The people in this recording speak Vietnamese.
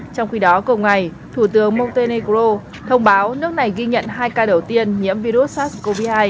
trong khi đó cùng ngày thủ tướng motenegro thông báo nước này ghi nhận hai ca đầu tiên nhiễm virus sars cov hai